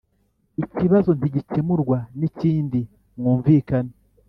Ikibazo ntigikemurwa nikindi mwumvikane